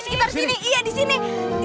eh apa orang ini ya